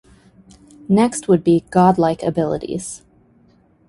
Next would be godlike abilities.